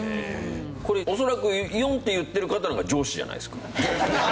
これ恐らく「４」って言ってる方が上司じゃないですか。